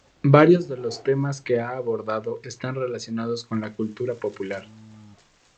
Varios de los temas que ha abordado están relacionados con la cultura popular.